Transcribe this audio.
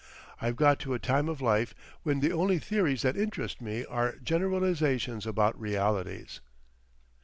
I've got to a time of life when the only theories that interest me are generalisations about realities.